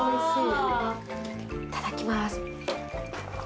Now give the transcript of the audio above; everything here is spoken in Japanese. いただきます。